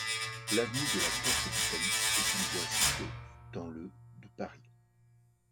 L'avenue de la Porte-d'Italie est une voie située dans le de Paris.